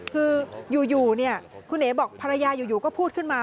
คืออยู่เนี่ยคุณเอ๋บอกภรรยาอยู่ก็พูดขึ้นมา